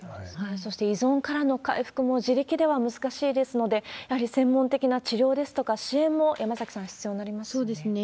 そして依存からの回復も自力では難しいですので、やはり専門的な治療ですとか支援も、そうですね。